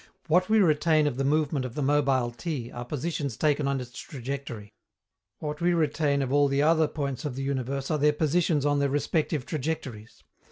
What we retain of the movement of the mobile T are positions taken on its trajectory. What we retain of all the other points of the universe are their positions on their respective trajectories.